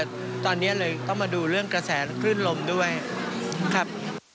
ตอนนี้เลยต้องมาดูเรื่องกระแสคลื่นลมด้วยครับ